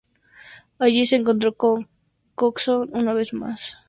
Allí, se encontró con Coxon una vez más.